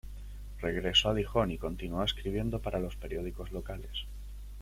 Regresó a Dijon y continuó escribiendo para los periódicos locales.